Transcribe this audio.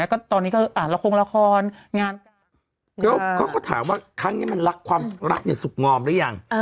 เขาก็ถามว่าครั้งนี้มันรักความรักเนี่ยสุขงอมหรือยัง